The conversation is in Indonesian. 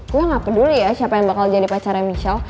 gue gak peduli ya siapa yang bakal jadi pacara michel